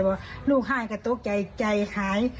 หลุกหายก็ตกใจใจหาย